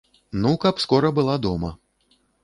Ну, каб скора была дома.